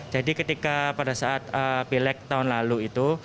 jadi ketika pada saat pilek tahun lalu itu